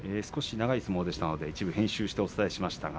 長い相撲でしたので一部編集しました。